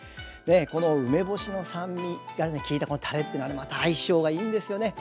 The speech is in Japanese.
この梅干しの酸味がきいたたれってまた相性がいいんですよね。